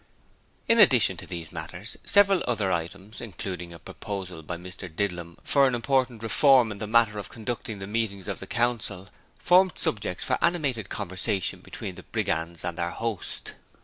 In addition to these matters, several other items, including a proposal by Mr Didlum for an important reform in the matter of conducting the meetings of the Council, formed subjects for animated conversation between the brigands and their host.